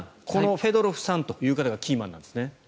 このフェドロフさんという方がキーマンなんですね。